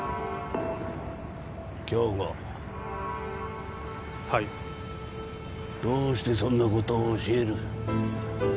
京吾はいどうしてそんなことを教える？